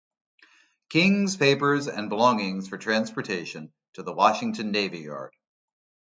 King's papers and belongings for transportation to the Washington Navy Yard.